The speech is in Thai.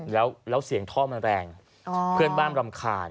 แล้วเสียงท่อมันแรงเพื่อนบ้านรำคาญ